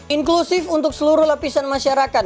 inklusif untuk seluruh lapisan masyarakat